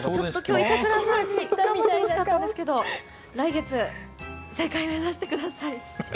板倉さんに正解してほしかったですけど来月、正解目指してください。